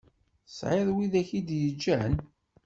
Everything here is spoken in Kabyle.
Tesεiḍ widak i d yeǧǧan